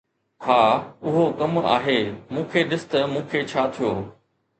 ها، اهو ڪم آهي. مون کي ڏس ته مون کي ڇا ٿيو.